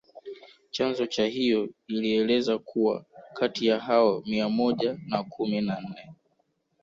Chanzo cha hiyo ilieleza kuwa kati ya hao mia moja na kumi na nne